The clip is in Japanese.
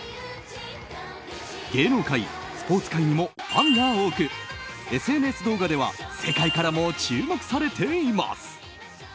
芸能界、スポーツ界にもファンが多くＳＮＳ動画では世界からも注目されています。